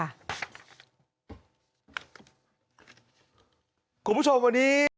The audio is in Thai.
ขอบคุณผู้ชมกว่านี้